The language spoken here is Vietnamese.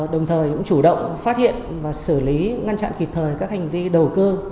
đồng thời cũng chủ động phát hiện và xử lý ngăn chặn kịp thời các hành vi đầu cơ